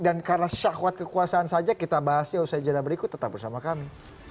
dan karena sahwat kekuasaan saja kita bahasnya usai jalan berikut tetap bersama kami